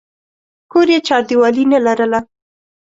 کور یې چاردیوالي نه لرله.